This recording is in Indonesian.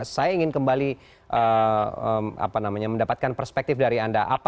saya ingin kembali mendapatkan perspektif dari anda